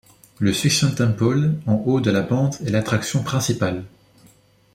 Le Suxian Temple en haut de la pente est l'attraction principale.